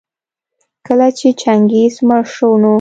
کله چي چنګېز مړ شو نو